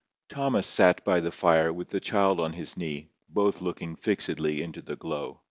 Thomas sat by the fire with the child on his knee, both looking fixedly into the glow.